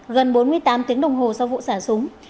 gần bốn mươi tám tiếng đồng hồ sau vụ xả súng